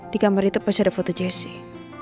di kamar itu pasti ada foto jesse